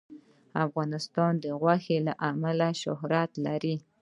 افغانستان د غوښې له امله شهرت لري.